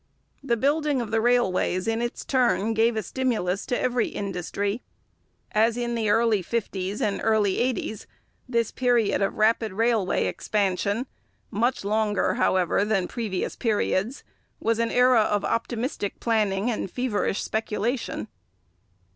The building of the railways in its turn gave a stimulus to every industry. As in the early fifties and early eighties, this period of rapid railway expansion much longer, however, than previous periods was an era of optimistic planning and feverish speculation.